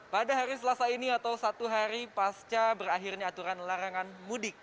pada hari selasa ini atau satu hari pasca berakhirnya aturan larangan mudik